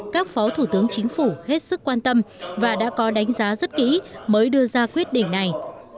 các phó thủ tướng chính phủ hết sức quan tâm và đã có đánh giá rất kỹ mới đưa ra quyết định này